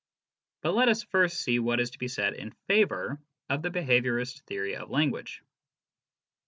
But let us first see what is to be said in favour of the behaviourist theory of language.